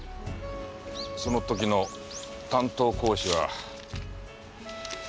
その時の担当講師は。